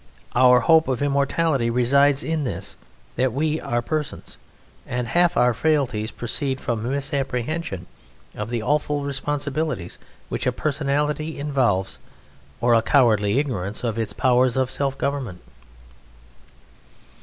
Our hope of immortality resides in this, that we are persons, and half our frailties proceed from a misapprehension of the awful responsibilities which personality involves or a cowardly ignorance of its powers of self government.